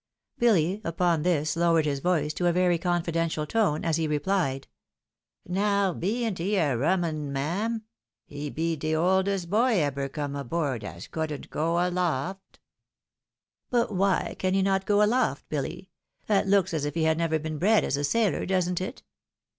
Billy upon this lowered his voice to a very confidential tone, as he replied ;" Now beant he a rum un, mam ? He be de oldest boy ebber come aboard, as couldn't go aloft." " But why can he not go aloft, Billy ? that looks as if he had never been bred as a sailor ; doesn't it